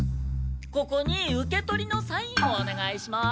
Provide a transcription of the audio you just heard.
ここに受け取りのサインをおねがいします。